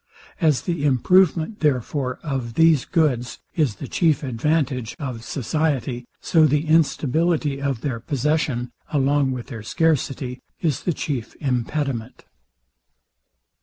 As the improvement, therefore, of these goods is the chief advantage of society, so the instability of their possession, along with their scarcity, is the chief impediment.